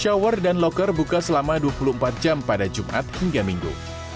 shower dan locker buka selama dua puluh empat jam pada jumat hingga minggu